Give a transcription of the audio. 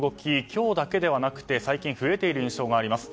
今日だけではなくて最近増えている印象があります。